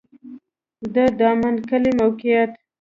د دامن کلی موقعیت